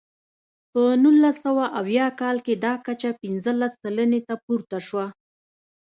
په نولس سوه اویا کال کې دا کچه پنځلس سلنې ته پورته شوه.